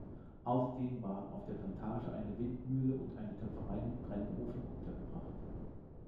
Außerdem waren auf der Plantage eine Windmühle und eine Töpferei mit Brennofen untergebracht.